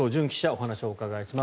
お話をお伺いします。